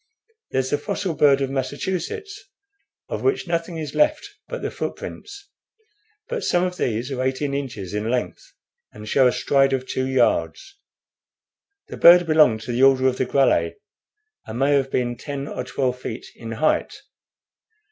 There's the fossil bird of Massachusetts, of which nothing is left but the footprints; but some of these are eighteen inches in length, and show a stride of two yards. The bird belonged to the order of the Grallae, and may have been ten or twelve feet in height.